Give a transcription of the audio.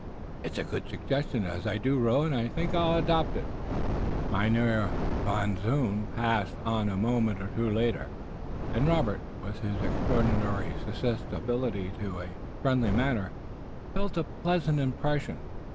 "It's a good suggestion, as I do row, and I think I'll adopt it." Mynheer Van Zoon passed on a moment or two later, and Robert, with his extraordinary susceptibility to a friendly manner, felt a pleasant impression.